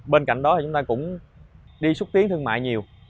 bên cạnh đó thì chúng ta cũng đi xúc tiến thương mại nhiều